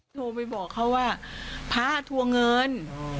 โทรไปบอกเขาว่าพระทัวร์เงิน